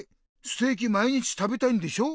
ステーキ毎日食べたいんでしょ？